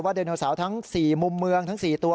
ว่าเดนเตอร์สาวทั้ง๔มุมเมืองทั้ง๔ตัว